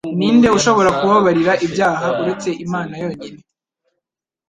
Ni nde ushobora kubabarira ibyaha, uretse Imana yonyine?»